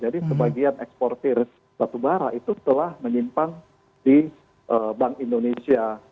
jadi sebagian ekspor tersatu barah itu telah menyimpan di bank indonesia